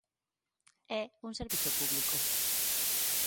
É un servizo público.